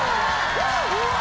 ・うわ！